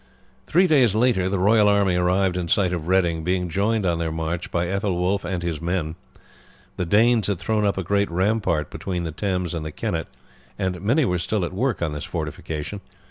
Three days later the royal army arrived in sight of Reading, being joined on their march by Aethelwulf and his men. The Danes had thrown up a great rampart between the Thames and the Kennet, and many were still at work on this fortification.